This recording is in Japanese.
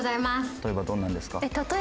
例えばどんなのですか？